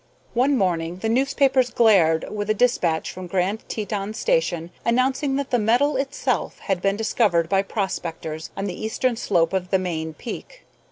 One morning the newspapers glared with a despatch from Grand Teton station announcing that the metal itself had been discovered by prospectors on the eastern slope of the main peak.